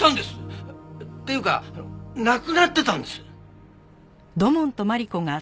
っていうかなくなってたんです。